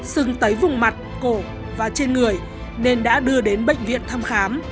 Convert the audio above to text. xưng tấy vùng mặt cổ và trên người nên đã đưa đến bệnh viện thăm khám